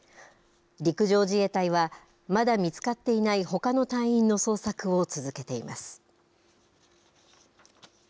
陸上自衛隊は、まだ見つかっていないほかの隊員の捜索を続けています。